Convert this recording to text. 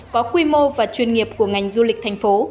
có quy mô và chuyên nghiệp của ngành du lịch thành phố